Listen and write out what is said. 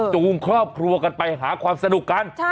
จูงครอบครัวกันไปหาความสนุกกัน